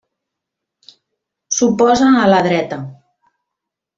S'oposa a la dreta.